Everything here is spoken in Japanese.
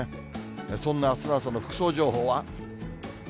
そんなあすの朝の服装情報は。